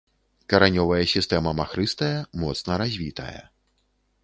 Каранёвая сістэма махрыстая, моцна развітая.